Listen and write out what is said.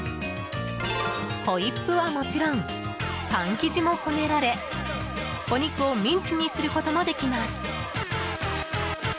ホイップはもちろんパン生地もこねられお肉をミンチにすることもできます。